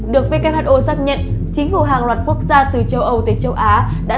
được who xác nhận chính phủ hàng loạt quốc gia từ châu âu tới châu á đã